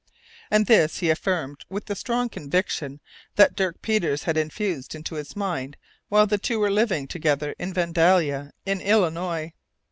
And this he affirmed with the strong conviction that Dirk Peters had infused into his mind while the two were living together in Vandalia, in Illinois.